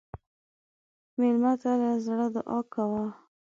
مېلمه ته له زړه دعا کوه.